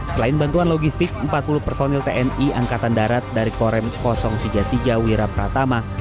selain bantuan logistik empat puluh personil tni angkatan darat dari korem tiga puluh tiga wira pratama